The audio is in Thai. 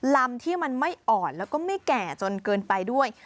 ลำที่มันไม่อ่อนแล้วก็ไม่แก่จนเกินไปด้วย